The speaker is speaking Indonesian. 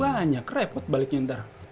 banyak repot baliknya nanti